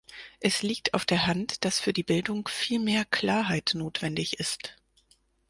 Es liegt auf der Hand, dass für die Bildung viel mehr Klarheit notwendig ist.